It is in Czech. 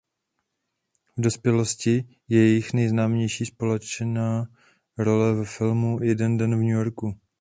V dospělosti je jejich nejznámější společná role ve filmu "Jeden den v New Yorku".